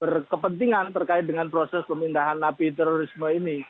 dari pihak pihak yang berkepentingan terkait dengan proses pemindahan napi terorisme ini